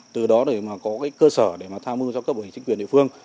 từ đó để có cơ sở để tham mưu cho các bộ hình chính quyền địa phương